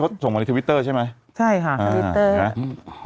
เขาส่งมาในทวิตเตอร์ใช่ไหมใช่ค่ะทวิตเตอร์ใช่ไหม